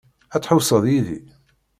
Ad tḥewwseḍ yid-i?